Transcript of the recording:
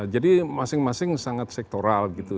jadi masing masing sangat sektoral gitu